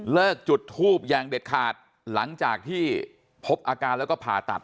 จุดทูบอย่างเด็ดขาดหลังจากที่พบอาการแล้วก็ผ่าตัด